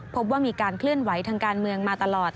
พบว่ามีการเคลื่อนไหวทางการเมืองมาตลอด